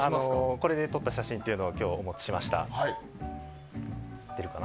これで撮った写真を今日はお持ちしました。